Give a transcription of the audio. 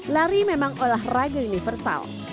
lari memang olahraga universal